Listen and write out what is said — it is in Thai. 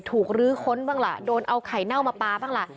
รื้อค้นบ้างล่ะโดนเอาไข่เน่ามาปลาบ้างล่ะ